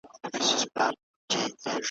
کي بديل نه لري `